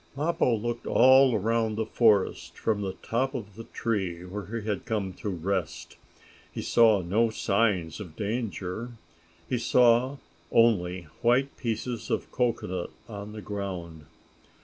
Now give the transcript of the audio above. Mappo looked all around the forest from the top of the tree where he had come to rest. He saw no signs of danger. He saw only white pieces of cocoanut on the ground.